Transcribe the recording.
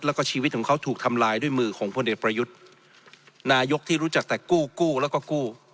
แล้วก็ชีวิตของเขาถูกทำลายด้วยมือของพลเอกประยุทธ์นายกที่รู้จักแต่กู้กู้แล้วก็กู้